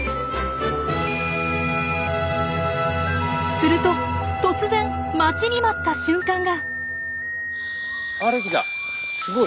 すると突然待ちに待った瞬間が！